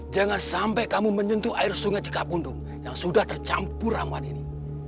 jangan sampai kamu menyentuh air sungai cikapundung yang sudah tercampur rawan ini